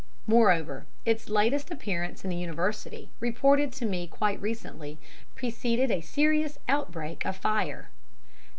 "Moreover, its latest appearance in the University, reported to me quite recently, preceded a serious outbreak of fire."